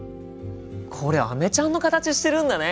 これアメちゃんの形してるんだね。